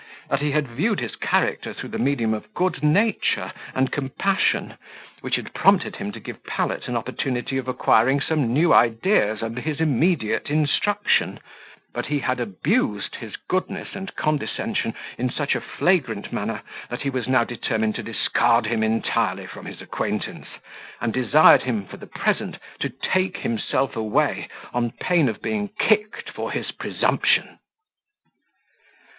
That he had viewed his character through the medium of good nature and compassion, which had prompted him to give Pallet an opportunity of acquiring some new ideas under his immediate instruction; but he had abused his goodness and condescension in such a flagrant manner, that he was now determined to discard him entirely from his acquaintance; and desired him, for the present, to take himself away, on pain of being kicked for his presumption.